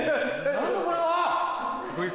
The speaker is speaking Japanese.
何だこれは！